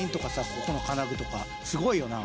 ここの金具とかすごいよな？